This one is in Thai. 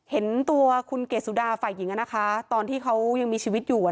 เห็นตัวคุณเกดสุดาฝ่ายหญิงตอนที่เขายังมีชีวิตอยู่